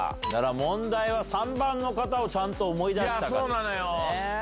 問題は３番の方をちゃんと思い出したかですよね。